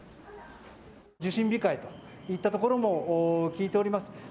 受診控えといったところも聞いております。